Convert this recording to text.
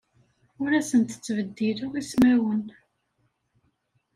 Ur asent-ttbeddileɣ ismawen.